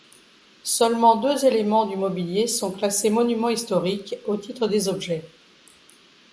Seulement deux éléments du mobilier sont classés monuments historiques au titre des objets.